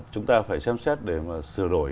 chúng ta phải xem xét để mà sửa đổi